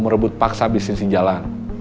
merebut paksa bisnis jalan